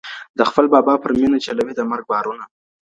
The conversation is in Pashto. د خپل بابا پر مېنه چلوي د مرګ باړونه.